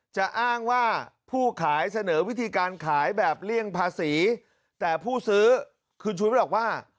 จะอ้างว่าผู้ขายเสนอวิธีการขายแบบเลี่ยงภาษีแต่ผู้ซื้อคุณชุวิตบอกว่า